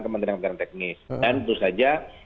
kementerian kementerian teknis dan tentu saja